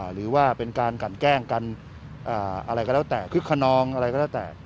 หรือว่าเป็นการกันแกล้งกันอะไรก็แล้วแต่คึกขนองอะไรก็แล้วแต่